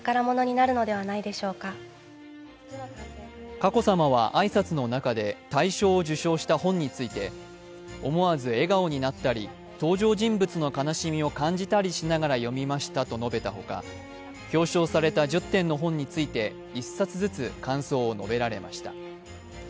佳子さまは挨拶の中で大賞を受賞した本について思わず笑顔になったり登場人物の悲しみを感じたりしながら読みましたと述べたほか表彰された１０点の本について１冊ずつ感想を述べられました。